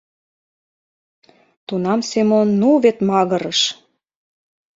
Тунам Семон ну вет магырыш.